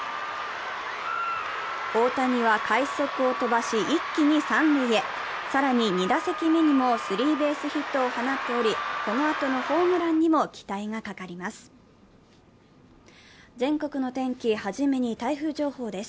大谷は快足を飛ばし、一気に三塁へ更に２打席目にもスリーベースヒットを放っており、このあとのホームランにも期待がかかります。